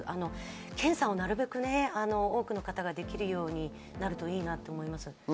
検査をなるべくね、多くの方ができるようになるといいなと思います。